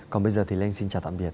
còn bây giờ thì lê anh xin chào tạm biệt